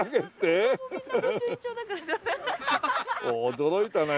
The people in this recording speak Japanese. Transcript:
驚いたね。